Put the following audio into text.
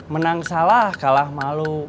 menang salah kalah malu